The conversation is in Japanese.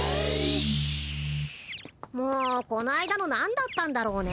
もうこないだのなんだったんだろうね。